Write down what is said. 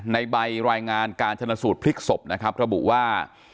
ในใบรายงานการชนสูตรพลิกศพนะครับระบุว่า